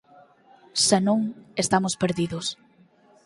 Se non, estamos perdidos.